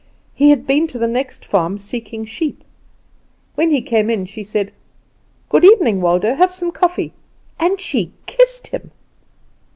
He had been to the next farm seeking sheep. When he came in she said, 'Good evening, Waldo. Have some coffee!' AND SHE KISSED HIM.